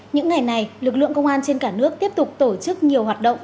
những ngày này lực lượng công an trên cả nước tiếp tục tổ chức nhiều hoạt động